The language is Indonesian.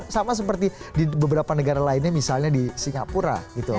sama seperti di beberapa negara lainnya misalnya di singapura gitu